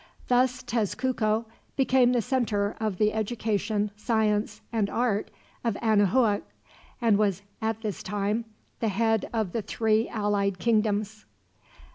Thus Tezcuco became the center of the education, science, and art of Anahuac, and was at this time the head of the three allied kingdoms.